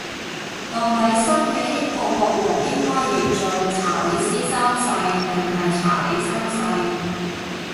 到底新嘅英國國王應該譯做查理斯三世定係查理三世